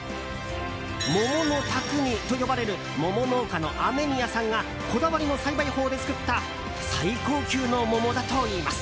桃の匠と呼ばれる桃農家の雨宮さんがこだわりの栽培法で作った最高級の桃だといいます。